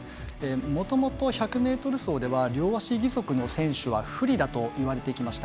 もともと、１００ｍ走では両足義足の選手は不利だといわれてきました。